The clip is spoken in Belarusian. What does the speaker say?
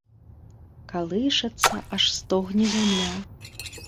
Калышацца, аж стогне зямля.